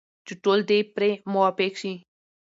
چې ټول دې پرې موافق شي.